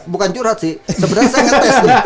bukan curhat sih sebenarnya saya ngetes itu